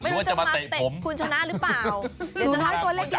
ไม่รู้จะมาเตะคุณชนะหรือเปล่า